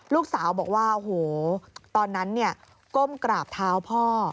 ลูกสาวบอกว่าโอ้โหตอนนั้นก้มกราบเท้าพ่อ